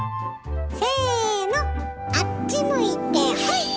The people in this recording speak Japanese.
せのあっち向いてホイ！